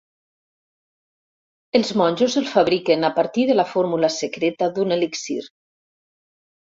Els monjos el fabriquen a partir de la fórmula secreta d'un elixir.